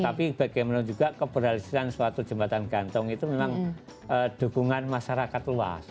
tapi bagaimana juga keberhasilan suatu jembatan gantung itu memang dukungan masyarakat luas